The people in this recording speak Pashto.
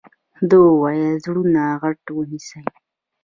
ده وويل زړونه غټ ونيسئ.